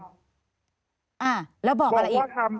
อ่าแล้วบอกอะไรอีก